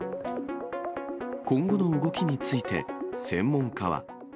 今後の動きについて、専門家は。